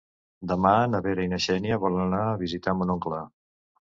Demà na Vera i na Xènia volen anar a visitar mon oncle.